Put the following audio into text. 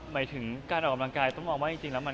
เมื่อการออกกำลังกายก็ต้องมองว่า